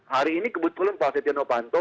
hari ini kebetulan pak setia no panto